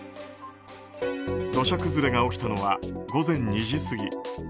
土砂崩れが起きたのは午前２時過ぎ。